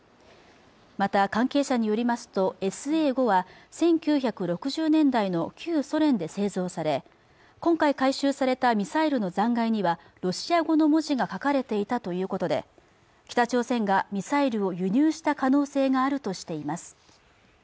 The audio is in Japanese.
また関係者によりますとＳＡ−５は１９６０年代の旧ソ連で製造され今回回収されたミサイルの残骸にはロシア語の文字が書かれていたということで北朝鮮がミサイルを輸入した可能性があるとしています